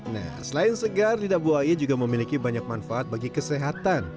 nah selain segar lidah buaya juga memiliki banyak manfaat bagi kesehatan